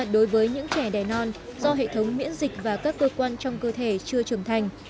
đối với những trẻ đẻ non do hệ thống miễn dịch và các cơ quan trong cơ thể chưa trưởng thành